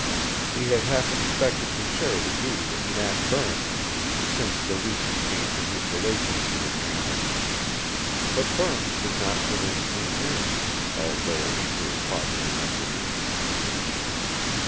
He had half expected to share the duty with Nat Burns since the recent change in his relations to the Tanners, but Burns did not put in an appearance, although it was three o'clock in the afternoon.